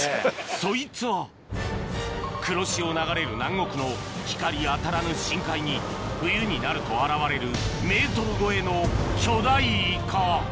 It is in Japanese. そいつは黒潮流れる南国の光当たらぬ深海に冬になると現れるメートル超えの巨大イカ